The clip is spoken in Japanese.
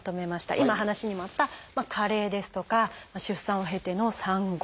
今話にもあった「加齢」ですとか出産を経ての「産後」。